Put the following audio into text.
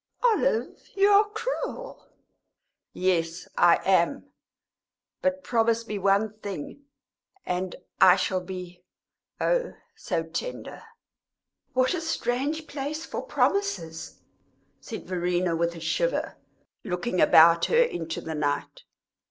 "Olive, you are cruel!" "Yes, I am. But promise me one thing, and I shall be oh, so tender!" "What a strange place for promises," said Verena, with a shiver, looking about her into the night.